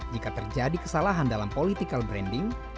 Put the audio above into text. jika terjadi kesalahan dalam political branding